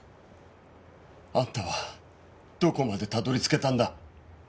あんたはどこまでたどり着けたんだ？